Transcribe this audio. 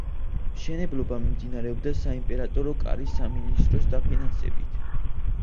მშენებლობა მიმდინარეობდა საიმპერატორო კარის სამინისტროს დაფინანსებით.